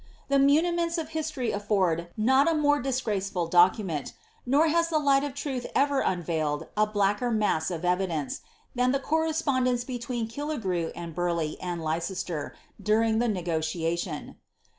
The muni ments of history afford not a more disgraceful document; nor has the light of truth ever unveiled a blacker mass of evidence, than tfie cor respondence between Killigrew and Burleigh and Leicester, during the negotiation.